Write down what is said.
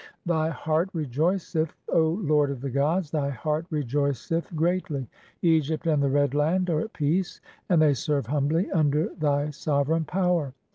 "Thy heart rejoiceth, O lord of the gods, thy heart rejoiceth "(18) greatly; Egypt and the Red Land are at peace, and they "serve humbly under thy sovereign power.